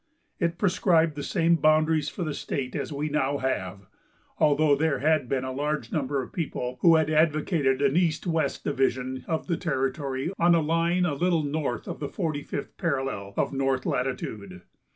It prescribed the same boundaries for the state as we now have, although there had been a large number of people who had advocated an east and west division of the territory, on a line a little north of the forty fifth parallel of north latitude.